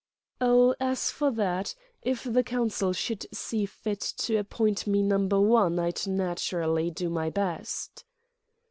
"Oh, as for that, if the Council should see fit to appoint me Number One, I'd naturally do my best."